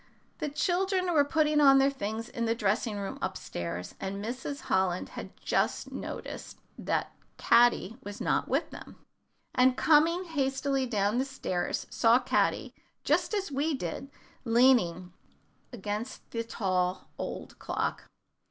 The children were putting on their things in the dressing room up stairs, and Mrs. Holland had just noticed that Caddy was not with them, and coming hastily down stairs, saw Caddy, just as we did, leaning against the tall old clock.